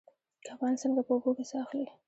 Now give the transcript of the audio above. کبان څنګه په اوبو کې ساه اخلي؟